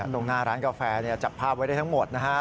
ตรงหน้าร้านกาแฟจับภาพไว้ได้ทั้งหมดนะฮะ